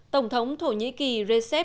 tổng thống thổ nhĩ kỳ recep